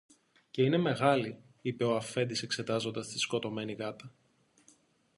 Και είναι μεγάλη, είπε ο αφέντης εξετάζοντας τη σκοτωμένη γάτα